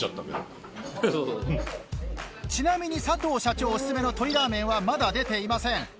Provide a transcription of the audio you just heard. ちなみに佐藤社長おすすめの鶏らー麺はまだ出ていません。